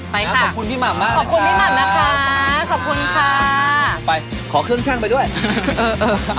ไปค่ะขอบคุณพี่หม่ำมากขอบคุณพี่หม่ำนะคะขอบคุณค่ะไปขอเครื่องช่างไปด้วยเออเออ